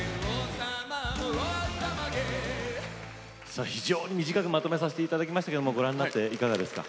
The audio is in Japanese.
さあ非常に短くまとめさせていただきましたけどもご覧になっていかがですか。